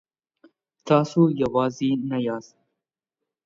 تاسو یوازې نه یاست.